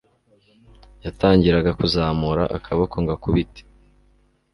yatangiraga kuzamura akaboko ngo akubite